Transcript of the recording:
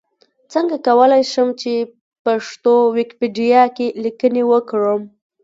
څنګه کولای شم چې پښتو ويکيپېډيا کې ليکنې وکړم؟